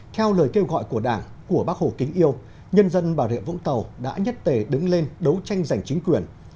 theo lời kêu gọi của đảng của bác hồ kính yêu nhân dân bà rịa vũng tàu đã nhất tề đứng lên đấu tranh giành chính quyền